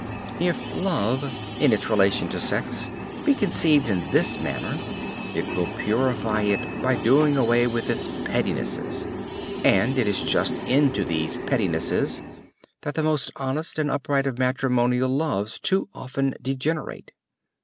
If love in its relation to sex be conceived in this manner, it will purify it by doing away with its pettinesses and it is just into these pettinesses that the most honest and upright of matrimonial loves too often degenerate.